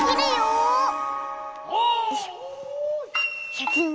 シャキーン！